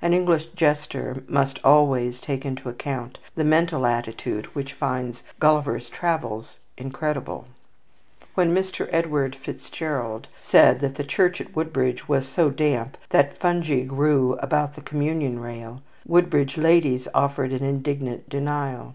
An English jester must always take into account the mental attitude which finds "Gulliver's Travels" "incredible." When Mr. Edward FitzGerald said that the church at Woodbridge was so damp that fungi grew about the communion rail, Woodbridge ladies offered an indignant denial.